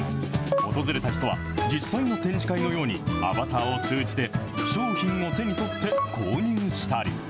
訪れた人は、実際の展示会のようにアバターを通じて商品を手に取って購入したり。